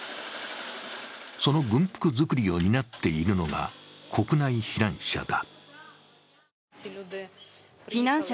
その軍服作りを担っているのが国内避難者だ。